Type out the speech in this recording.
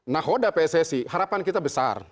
nahoda pssi harapan kita besar